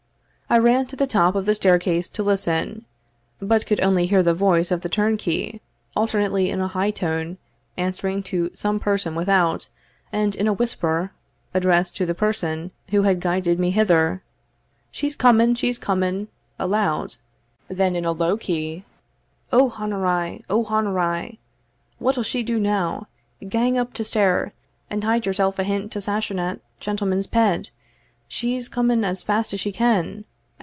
I ran to the top of the staircase to listen, but could only hear the voice of the turnkey, alternately in a high tone, answering to some person without, and in a whisper, addressed to the person who had guided me hither "She's coming she's coming," aloud; then in a low key, "O hon a ri! O hon a ri! what'll she do now? Gang up ta stair, and hide yourself ahint ta Sassenach shentleman's ped. She's coming as fast as she can.